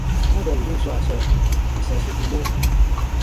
Wooda yenin swaa sɔɔ, yè sa sokumɔ: